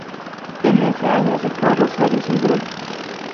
En ese año se fue a Rosario Central.